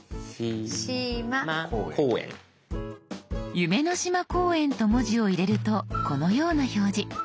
「夢の島公園」と文字を入れるとこのような表示。